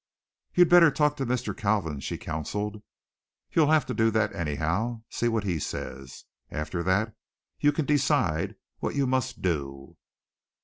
"You'd better talk to Mr. Kalvin," she counseled. "You'll have to do that, anyhow. See what he says. After that you can decide what you must do."